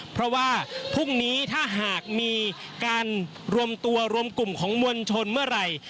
เพราะว่าพรุ่งนี้ถ้าหากมีการรวมตัวรวมกลุ่มของมวลชนเมื่อไหร่